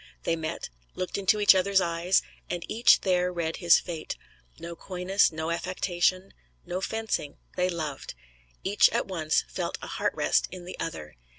They met, looked into each other's eyes, and each there read his fate: no coyness, no affectation, no fencing they loved. Each at once felt a heart rest in the other.